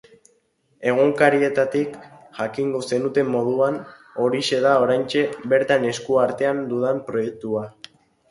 Egunkarietatik jakingo zenuten moduan, horixe da oraintxe bertan esku artean dudan proiektua.